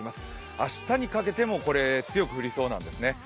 明日にかけても強く降りそうなんですね。